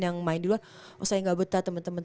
yang main di luar oh saya gak betah temen temen